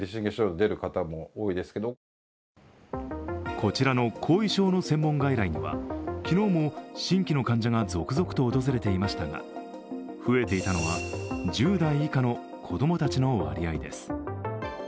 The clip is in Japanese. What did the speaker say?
こちらの後遺症の専門外来には昨日も新規の患者が続々と訪れていましたが、増えていたのは１０代以下の子供たちの割合です。